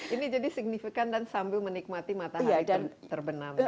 ini jadi signifikan dan sambil menikmati matahari terbenam